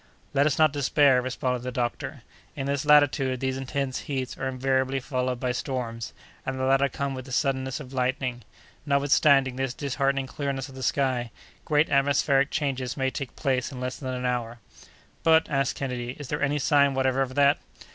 "Let us not despair," responded the doctor. "In this latitude these intense heats are invariably followed by storms, and the latter come with the suddenness of lightning. Notwithstanding this disheartening clearness of the sky, great atmospheric changes may take place in less than an hour." "But," asked Kennedy, "is there any sign whatever of that?"